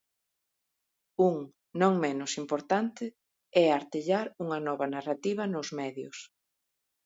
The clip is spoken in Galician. Un, non menos importante, é artellar unha nova narrativa nos medios.